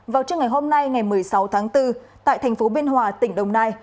vào trưa ngày hôm nay ngày một mươi sáu tháng bốn tại thành phố biên hòa tỉnh đồng nai